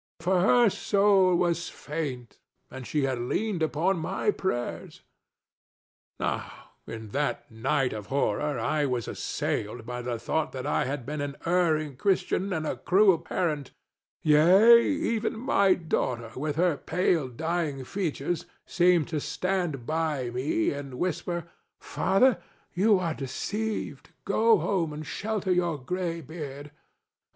for her soul was faint and she had leaned upon my prayers. Now in that night of horror I was assailed by the thought that I had been an erring Christian and a cruel parent; yea, even my daughter with her pale dying features seemed to stand by me and whisper, 'Father, you are deceived; go home and shelter your gray head.